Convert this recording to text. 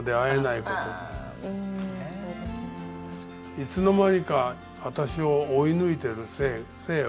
いつの間にか私を追い抜いてる背を。